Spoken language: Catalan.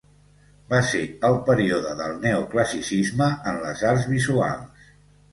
Va ser el període del Neoclassicisme en les arts visuals.